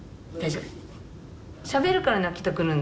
しゃべるから泣けてくるんだよ。